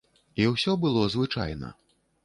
І ўсё было звычайна.